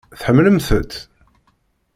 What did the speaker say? Tḥemmlemt-tt?